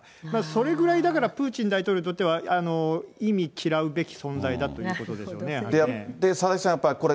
それぐらいだから、プーチン大統領にとっては、忌み嫌うべき存在だということでしょうね。